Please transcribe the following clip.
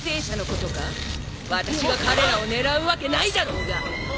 私が彼らを狙うわけないだろうが！